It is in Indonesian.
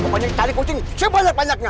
pokoknya cari kucing siap banyak banyaknya